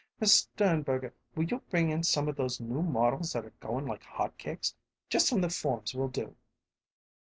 "Miss Sternberger, will you bring in some of those new models that are going like hot cakes? Just on the forms will do."